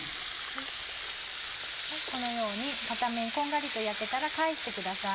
このように片面こんがりと焼けたら返してください。